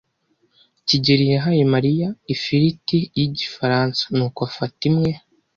kigeli yahaye Mariya ifiriti y Igifaransa nuko afata imwe.